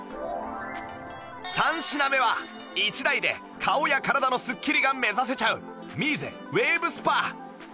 ３品目は１台で顔や体のすっきりが目指せちゃうミーゼウェーブスパ